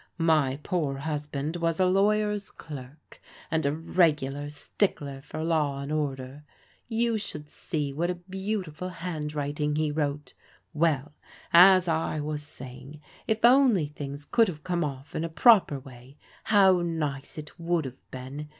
My poor husband was a lawyer's clerk, and a regular stickler for law and order. You should see what a beau tiful handwriting he wrote. Well, as I was saying, if only things could have come oflf in a proper way, how nice it would have been.